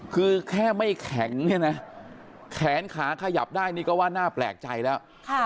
คือแค่ไม่แข็งเนี่ยนะแขนขาขยับได้นี่ก็ว่าน่าแปลกใจแล้ว